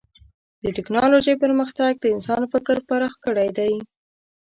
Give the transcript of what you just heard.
د ټکنالوجۍ پرمختګ د انسان فکر پراخ کړی دی.